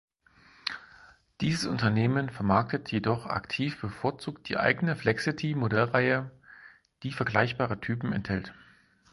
Dieses Unternehmen vermarktet jedoch aktiv bevorzugt die eigene Flexity Modellreihe, die vergleichbare Typen enthält.